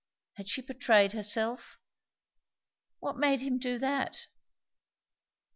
Had she betrayed herself? What made him do that?